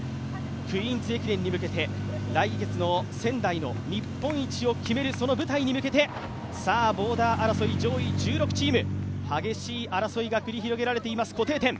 クイーンズ駅伝に向けて、来月の仙台の日本一を決めるその舞台に向けて、さあボーダー争い、上位１６チーム、激しい争いが繰り広げられています、固定点。